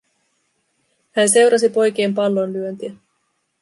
Hän seurasi poikien pallonlyöntiä.